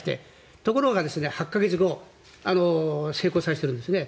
ところが、８か月後成功させているんですね。